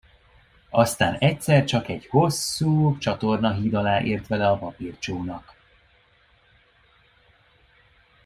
Aztán egyszer csak egy hosszú csatornahíd alá ért vele a papírcsónak.